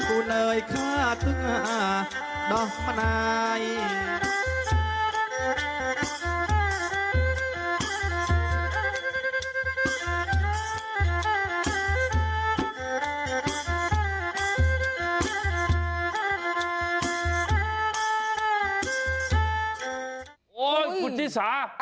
โอ้ยคุณฤดิสา